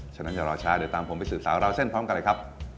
ฉะนั้นอย่ารอช้าเดี๋ยวตามผมไปสืบสาวราวเส้นพร้อมกันเลยครับ